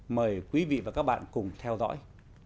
mời quý vị và các bạn cùng theo dõi